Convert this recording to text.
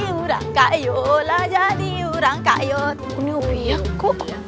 tertera tank tank